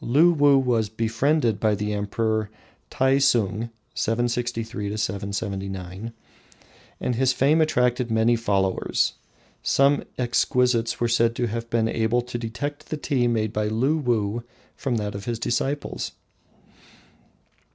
Luwuh was befriended by the Emperor Taisung (763 779), and his fame attracted many followers. Some exquisites were said to have been able to detect the tea made by Luwuh from that of his disciples.